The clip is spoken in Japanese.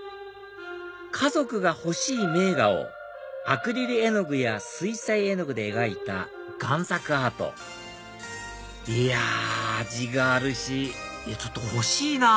⁉家族が欲しい名画をアクリル絵の具や水彩絵の具で描いた贋作アートいや味があるしちょっと欲しいなぁ